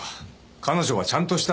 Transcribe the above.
彼女はちゃんとした。